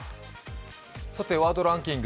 ワードランキング